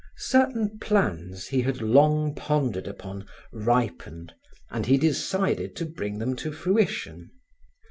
Certain plans he had long pondered upon ripened, and he decided to bring them to fruition.